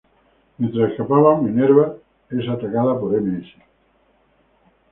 Mientras escapan, Minerva es atacada por Ms.